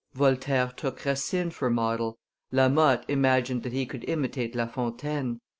Voltaire took Racine for model; La Mothe imagined that he could imitate La Fontaine.